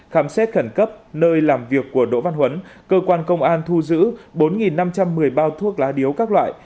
khám xét khẩn cấp nơi làm việc của đỗ văn huấn cơ quan công an thu giữ bốn năm trăm một mươi bao thuốc lá điếu các loại